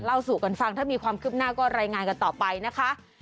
สู่กันฟังถ้ามีความคืบหน้าก็รายงานกันต่อไปนะคะ